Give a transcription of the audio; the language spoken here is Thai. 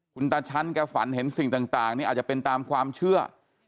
ขุนตาชั้นแก๊วฝรรแถมสิ่งต่างอาจจะเป็นตามความเชื่อ